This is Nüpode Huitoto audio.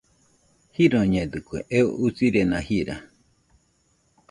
Jironidɨkue, eo usirena jira.